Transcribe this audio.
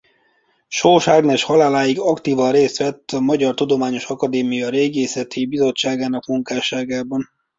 Sós Ágnes haláláig aktívan részt vett a Magyar Tudományos Akadémia Régészeti Bizottságának munkásságában.